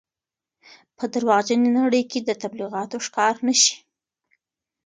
په درواغجنې نړۍ کې د تبلیغاتو ښکار نه شئ.